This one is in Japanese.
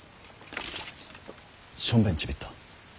しょんべんちびった。